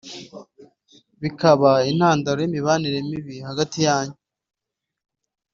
bikaba intandaro y’imibanire mibi hagati yanyu